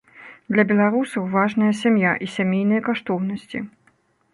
Для беларусаў важная сям'я і сямейныя каштоўнасці.